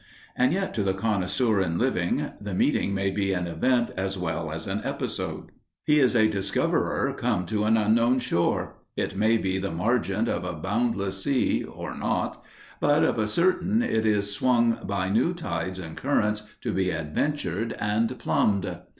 And yet to the connoisseur in living the meeting may be an event as well as an episode. He is a discoverer come to an unknown shore it may be the margent of a boundless sea or not, but of a certain it is swung by new tides and currents to be adventured and plumbed.